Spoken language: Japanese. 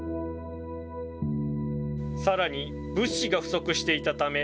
さらに物資が不足していたため、